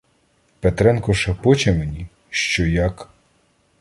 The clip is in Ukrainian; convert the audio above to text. Петренко шепоче мені, що як